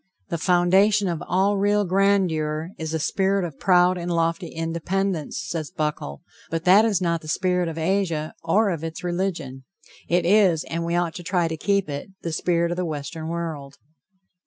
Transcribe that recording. "The foundation of all real grandeur is a spirit of proud and lofty independence," says Buckle; but that is not the spirit of Asia, or of its religion. It is, and we ought to try to keep it, the spirit of the Western world.